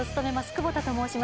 久保田と申します。